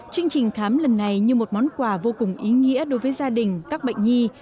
chương trình khám lần này như một món quà vô cùng ý nghĩa đối với gia đình các bệnh nhi